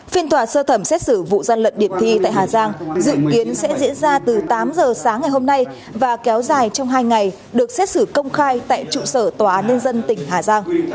phiên tòa sơ thẩm xét xử vụ gian lận điểm thi tại hà giang dự kiến sẽ diễn ra từ tám giờ sáng ngày hôm nay và kéo dài trong hai ngày được xét xử công khai tại trụ sở tòa án nhân dân tỉnh hà giang